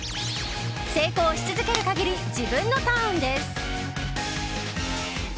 成功し続ける限り自分のターンです。